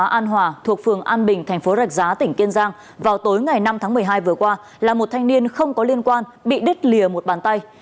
an hòa thuộc phường an bình thành phố rạch giá tỉnh kiên giang vào tối ngày năm tháng một mươi hai vừa qua là một thanh niên không có liên quan bị đứt lìa một bàn tay